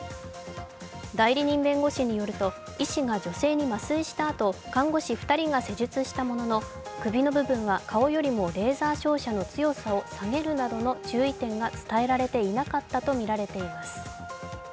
代理人弁護士によると、医師が女性に麻酔したあと看護師２人が施術したものの、首の部分は顔よりもレーザー照射のレベルを下げるなどの注意点が伝えられていなかったとみられています。